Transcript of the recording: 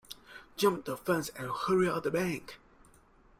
Jump the fence and hurry up the bank.